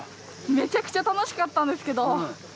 めちゃくちゃ楽しかったんですけど。